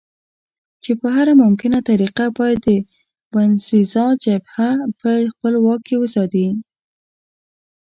چې په هره ممکنه طریقه باید د باینسېزا جبهه په خپل واک کې وساتي.